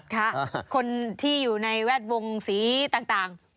ค่ะคนที่อยู่ในแวดวงสีต่าง